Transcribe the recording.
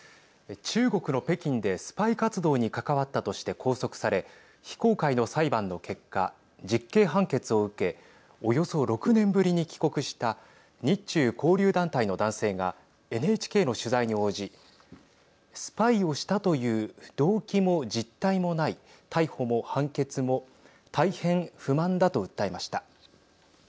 中国の北京でスパイ活動に関わったとして拘束され非公開の裁判の結果実刑判決を受けおよそ６年ぶりに帰国した日中交流団体の男性がＮＨＫの取材に応じスパイをしたという動機も実態もない逮捕も判決も大変不満だと訴えました。